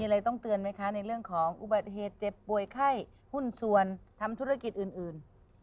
อะไรต้องเตือนไหมคะในเรื่องของอุบัติเหตุเจ็บป่วยไข้หุ้นส่วนทำธุรกิจอื่น